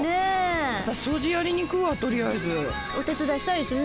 私掃除やりに行くわとりあえず。お手伝いしたいですよね。